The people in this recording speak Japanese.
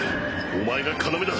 お前が要だ。